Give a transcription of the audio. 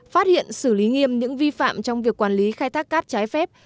phát hiện xử lý nghiêm những vi phạm trong việc quản lý khai thác cát trái phép